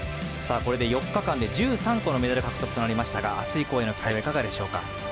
これで４日間で１３個のメダル獲得となりましたがあす以降への期待はいかがでしょうか？